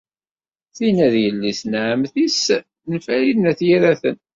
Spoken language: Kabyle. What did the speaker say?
Tinna d yelli-s n ɛemmti-s n Farid n At Yiraten.